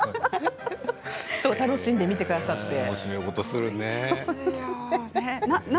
楽しんで見てくださって。